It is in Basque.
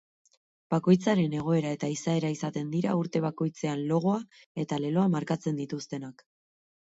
Bakoitzaren egoera eta izaera izaten dira urte bakoitzean logoa eta leloa markatzen dituztenak.